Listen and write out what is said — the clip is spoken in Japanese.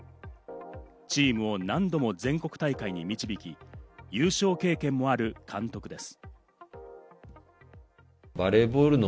チームを何度も全国大会へ導き、優勝経験もある監督です。